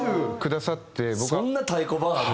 そんな太鼓判ある？